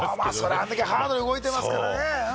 あれだけハードに動いてますからね。